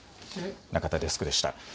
中田デスクでした。